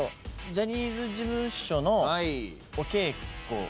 ジャニーズ事務所のお稽古。